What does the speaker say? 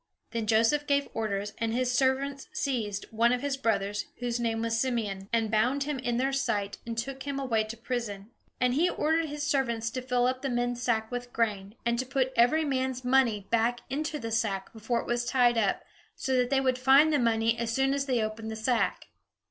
Then Joseph gave orders, and his servants seized one of his brothers, whose name was Simeon, and bound him in their sight and took him away to prison. And he ordered his servants to fill the men's sacks with grain, and to put every man's money back into the sack before it was tied up, so that they would find the money as soon as they opened the sack.